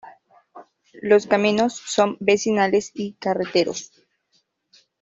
Los caminos son vecinales y carreteros.